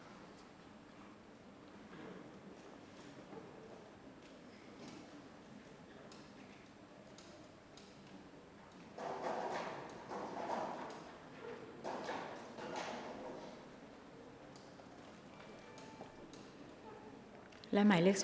กรรมการท่านที่ห้าได้แก่กรรมการใหม่เลขเก้า